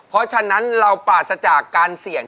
เพราะฉะนั้นเราปราศจากการเสี่ยง